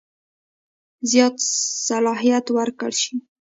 زیات صلاحیت ورکړه شي.